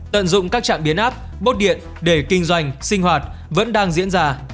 tận dụng các trạm biến áp bốt điện để kinh doanh sinh hoạt vẫn đang diễn ra